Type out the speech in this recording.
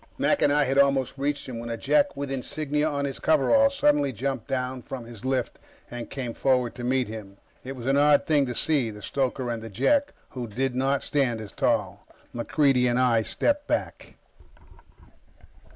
Mac and I had almost reached him when a Jek with insignia on his coveralls suddenly jumped down from his lift and came forward to meet him. It was an odd thing to see the stoker, and the Jek, who did not stand as tall. MacReidie and I stepped back.